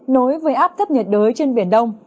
nối với áp thấp nhiệt đới trên biển đông